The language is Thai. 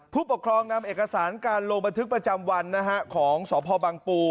ผู้ปกครองนำเอกสารการลงบันทึกประจำวันนะฮะของสพบังปู